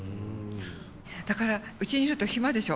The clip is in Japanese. だからうちにいると暇でしょ。